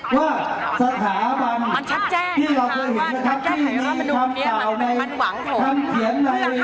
ว่าสถาบันที่เราเคยเห็นที่มีคำถาวในคำเขียน